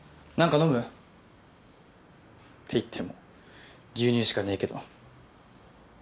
なんか飲む？って言っても牛乳しかねぇけど。